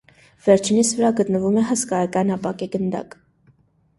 Վերջինիս վրա գտնվում է հսկայական ապակե գնդակ։